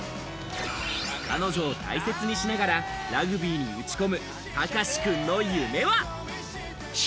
彼女を大切にしながら、ラグビーに打ち込む隆志くんの夢は？